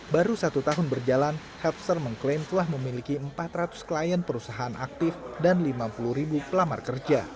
baru satu tahun berjalan helpster mengklaim telah memiliki empat ratus klien perusahaan aktif dan lima puluh ribu pelamar kerja